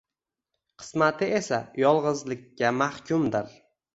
qismati esa yolg‘izlikka mahkumdir.